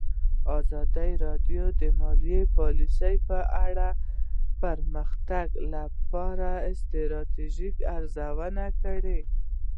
ازادي راډیو د مالي پالیسي په اړه د پرمختګ لپاره د ستراتیژۍ ارزونه کړې.